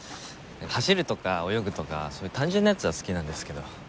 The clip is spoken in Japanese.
走るとか泳ぐとかそういう単純なやつは好きなんですけど。